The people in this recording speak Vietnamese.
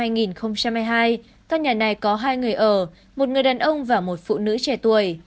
tháng chín năm hai nghìn một mươi hai các nhà này có hai người ở một người đàn ông và một phụ nữ trẻ tuổi